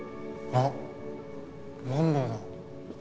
あっマンボウだ。